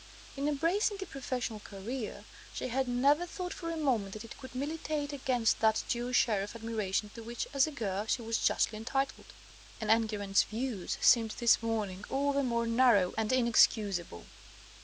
In embracing a professional career, she had never thought for a moment that it could militate against that due share of admiration to which, as a girl, she was justly entitled; and Enguerrand's views seemed this morning all the more narrow and inexcusable.